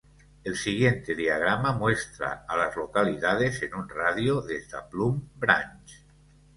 El siguiente diagrama muestra a las localidades en un radio de de Plum Branch.